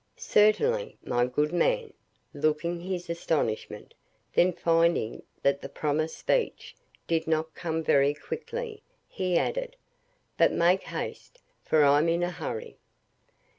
"Certainly, my good man," looking his astonishment; then finding that the promised speech did not come very quickly, he added, "But make haste, for I'm in a hurry."